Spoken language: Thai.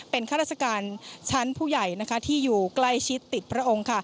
เป็นข้าราชการชั้นผู้ใหญ่ที่อยู่ใกล้ชิดติดพระองค์